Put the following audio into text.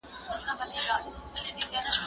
کېدای سي پوښتنه سخته وي!.